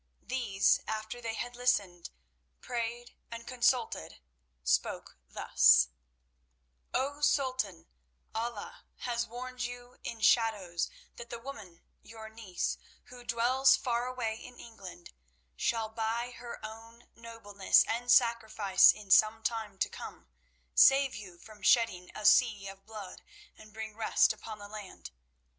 These, after they had listened, prayed and consulted, spoke thus: "O Sultan, Allah has warned you in shadows that the woman, your niece, who dwells far away in England, shall by her own nobleness and sacrifice, in some time to come, save you from shedding a sea of blood, and bring rest upon the land.